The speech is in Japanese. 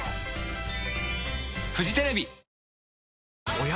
おや？